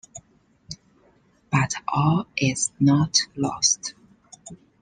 But all is not lost.